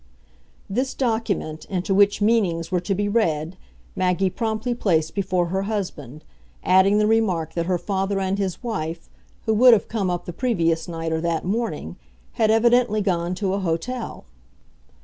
This document, into which meanings were to be read, Maggie promptly placed before her husband, adding the remark that her father and his wife, who would have come up the previous night or that morning, had evidently gone to an hotel.